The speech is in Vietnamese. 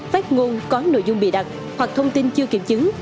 phát ngôn có nội dung bịa đặt hoặc thông tin chưa kiểm chứng